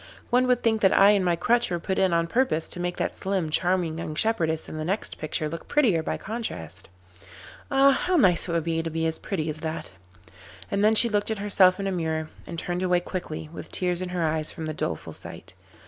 'One would think that I and my crutch were put in on purpose to make that slim, charming young shepherdess in the next picture look prettier by contrast. Ah! how nice it would be to be as pretty as that.' And then she looked at herself in a mirror, and turned away quickly with tears in her eyes from the doleful sight.